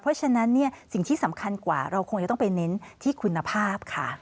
เพราะฉะนั้นสิ่งที่สำคัญกว่าเราคงจะต้องไปเน้นที่คุณภาพค่ะ